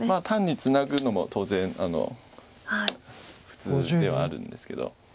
単にツナぐのも当然普通ではあるんですけど。